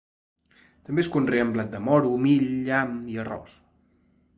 També es conreen blat de moro, mill, nyam i arròs.